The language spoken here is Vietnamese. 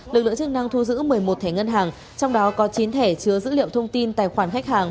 lực lượng chức năng thu giữ một mươi một thẻ ngân hàng trong đó có chín thẻ chứa dữ liệu thông tin tài khoản khách hàng